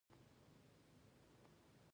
ایران له افغانستان سره د اوبو ستونزه لري.